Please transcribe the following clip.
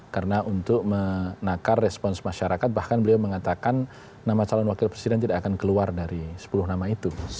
karena untuk menakar respons masyarakat bahkan beliau mengatakan nama calon wakil presiden tidak akan keluar dari sepuluh nama itu